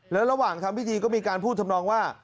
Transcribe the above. แล้วระหว่างทำพิธีก็มีการพูดทำนองว่า